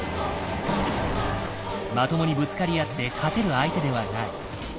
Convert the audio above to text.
まともにぶつかり合って勝てる相手ではない。